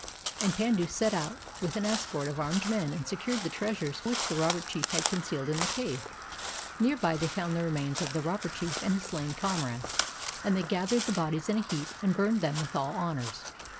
And Pandu set out with an escort of armed men and secured the treasures which the robber chief had concealed in the cave. Near by they found the remains of the robber chief and his slain comrades, and they gathered the bodies in a heap and burned them with all honors.